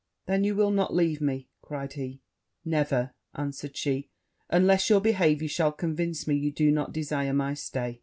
'Then you will not leave me?' cried he. 'Never,' answered she, 'till your behaviour shall convince me you do not desire my stay.'